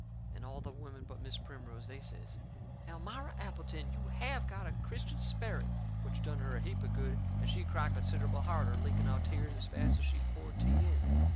And all the women but Mis' Primrose, they says: "Elmira Appleton, you HAVE got a Christian sperrit!" Which done her a heap of good, and she cried considerable harder, leaking out tears as fast as she poured tea in.